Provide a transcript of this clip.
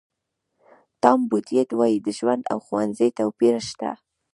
ټام بوډیټ وایي د ژوند او ښوونځي توپیر شته.